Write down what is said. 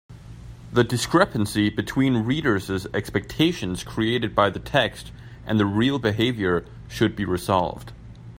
The discrepancy between reader’s expectations created by the text and the real behaviour should be resolved.